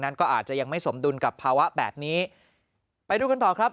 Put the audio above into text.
นั้นก็อาจจะยังไม่สมดุลกับภาวะแบบนี้ไปดูกันต่อครับ